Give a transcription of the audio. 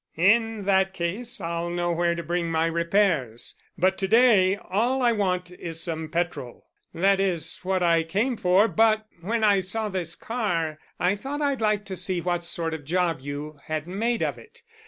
"In that case I'll know where to bring my repairs. But to day all I want is some petrol. That is what I came for, but when I saw this car I thought I'd like to see what sort of job you had made of it.